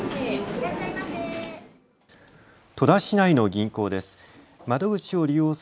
戸田市内の銀行です。